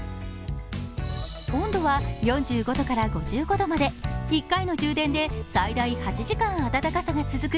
温度は４５度から５５度まで、１階の充電で最大８時間暖かさが続く